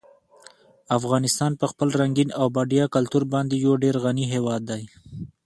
افغانستان په خپل رنګین او بډایه کلتور باندې یو ډېر غني هېواد دی.